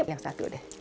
yang satu deh